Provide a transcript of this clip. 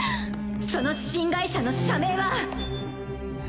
その新会社の社名は。